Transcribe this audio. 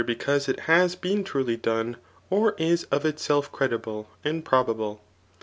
cauBe it has been truly done or is of itself cred3>le^ and prob^le.